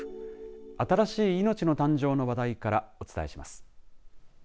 新しい命の誕生の話題からお伝えします。